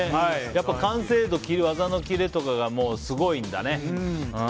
やっぱり完成度、技のキレとかがすごいんだね。